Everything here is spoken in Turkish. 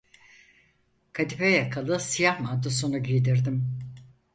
Kadife yakalı siyah mantosunu giydirdim.